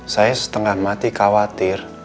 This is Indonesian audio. saya setengah mati khawatir